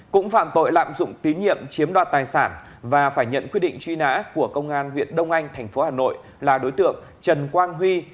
cũng phạm tội lạm dụng tín nhiệm chiếm đoạt tài sản và phải nhận quyết định truy nã của công an huyện đông anh tp hà nội là đối tượng trần quang huy